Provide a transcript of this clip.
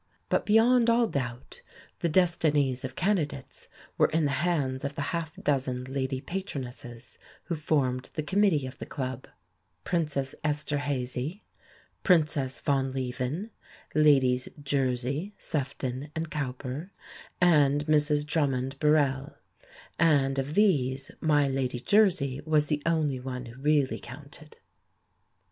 But beyond all doubt the destinies of candidates were in the hands of the half dozen Lady Patronesses who formed the Committee of the club Princess Esterhazy, Princess von Lieven, Ladies Jersey, Sefton and Cowper, and Mrs Drummond Burrell; and of these my Lady Jersey was the only one who really counted.